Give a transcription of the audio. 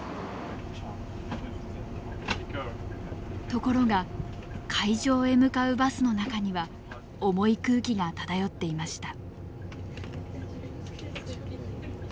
ところが会場へ向かうバスの中には重い空気が漂っていました。